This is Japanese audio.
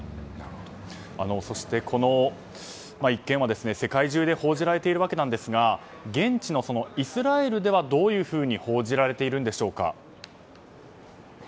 そして、この一件は世界中で報道されているわけですが現地のイスラエルではどう報じられているんでしょうか。